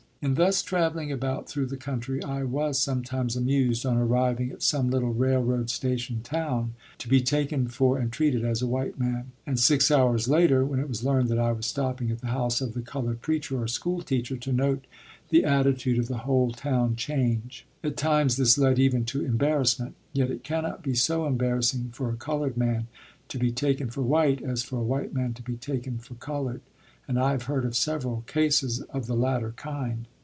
In thus traveling about through the country I was sometimes amused on arriving at some little railroad station town to be taken for and treated as a white man, and six hours later, when it was learned that I was stopping at the house of the colored preacher or school teacher, to note the attitude of the whole town change. At times this led even to embarrassment. Yet it cannot be so embarrassing for a colored man to be taken for white as for a white man to be taken for colored; and I have heard of several cases of the latter kind.